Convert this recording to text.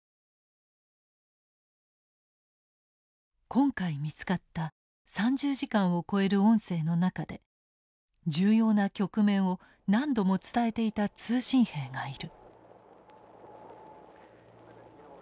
今回見つかった３０時間を超える音声の中で重要な局面を何度も伝えていた通信兵がいる。